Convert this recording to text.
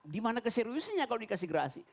dimana keseriusnya kalau dikasih gerasi